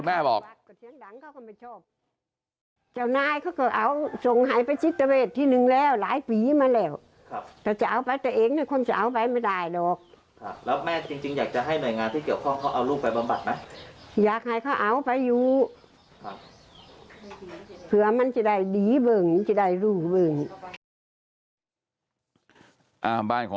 อาหารบ้านก่อน